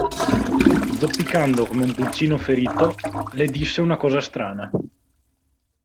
Zoppicando come un pulcino ferito, le disse una cosa strana.